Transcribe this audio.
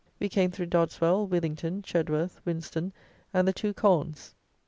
We came through Dodeswell, Withington, Chedworth, Winston, and the two Colnes.